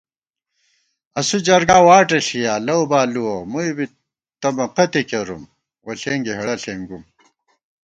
اسُو جرگا واٹہ ݪِیا، لَؤ بالُوَہ ، مُوئی بی تمہ قَتےکېرُم ووݪېنگےہېڑہ ݪېنگُوم